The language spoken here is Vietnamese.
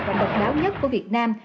và độc đáo nhất của việt nam